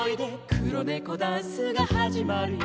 「くろネコダンスがはじまるよ」